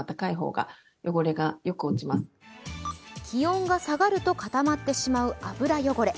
気温が下がると固まってしまう油汚れ。